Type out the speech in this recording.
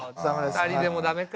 ２人でもだめか。